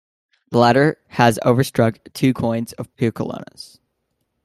The latter has overstruck two coins of Peucolaos.